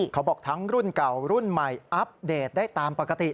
เขาบอกทั้งรุ่นเก่ารุ่นใหม่อัปเดตได้ตามปกติ